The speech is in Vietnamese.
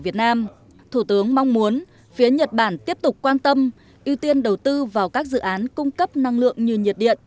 việt nam thủ tướng mong muốn phía nhật bản tiếp tục quan tâm ưu tiên đầu tư vào các dự án cung cấp năng lượng như nhiệt điện